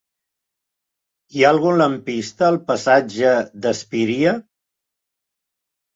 Hi ha algun lampista al passatge d'Espíria?